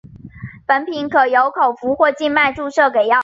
本品可由口服或静脉注射给药。